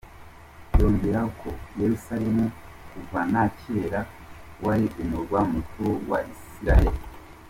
Yongeraho ko Yeruzalemu kuva na kera wari Umurwa mukuru wa Isiraheli.